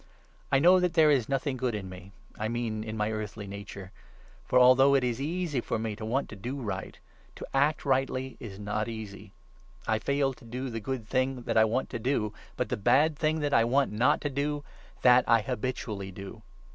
I know that there is nothing good in me 18 — I mean in my earthly nature. For, although it is easy for me to want to do right, to act rightly is not easy. I fail to do the 19 good thing that I want to do, but the bad thing that I want not to do — that I habitually do.